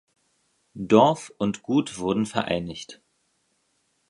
Dorf und Gut wurden vereinigt.